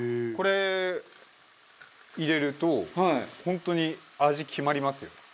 これ入れると本当に味決まりますよ。